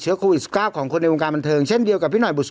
โควิด๑๙ของคนในวงการบันเทิงเช่นเดียวกับพี่หน่อยบุษ